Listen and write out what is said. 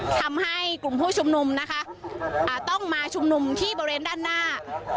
ทำให้กลุ่มผู้ชุมนุมนะคะต้องมาชุมนุมที่บริเวณด้านหน้า